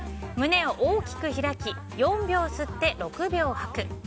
胸を大きく開き４秒吸って６秒吐く。